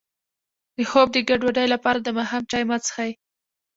د خوب د ګډوډۍ لپاره د ماښام چای مه څښئ